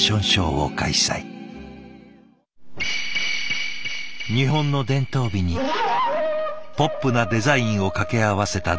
日本の伝統美にポップなデザインを掛け合わせた独特な感性。